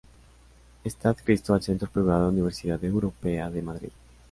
Está adscrito al centro privado Universidad Europea de Madrid.